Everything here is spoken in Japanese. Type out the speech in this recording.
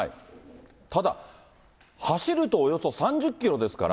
ただ、走るとおよそ３０キロですから。